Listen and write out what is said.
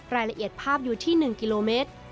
รายละเอียดภาพอยู่ที่๑กิโลเมตร